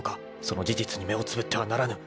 ［その事実に目をつぶってはならぬ］